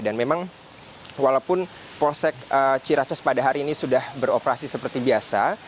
dan memang walaupun prosek ciracos pada hari ini sudah beroperasi seperti biasa